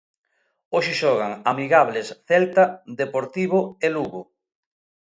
Hoxe xogan amigables Celta, Deportivo e Lugo.